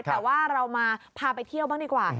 แต่ว่าเรามาพาไปเที่ยวบ้างดีกว่า